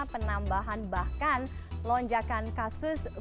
penambahan bahkan lonjakan kasus